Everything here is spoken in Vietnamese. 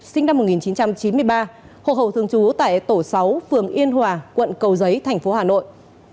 sinh năm một nghìn chín trăm chín mươi ba hộ khẩu thường trú tại tổ sáu phường yên hòa quận cầu giấy thành phố hà nội